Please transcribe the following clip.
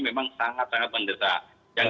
memang sangat sangat mendesak yang